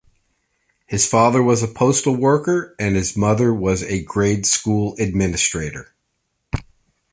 His father was a postal worker and his mother was a grade school administrator.